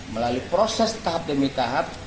melalui proses tahap demi tahap